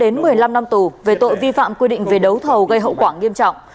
một mươi bốn một mươi năm năm tù về tội vi phạm quy định về đấu thầu gây hậu quả nghiêm trọng